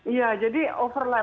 iya jadi overlap